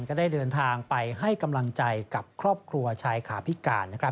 ก็ได้เดินทางไปให้กำลังใจกับครอบครัวชายขาพิการ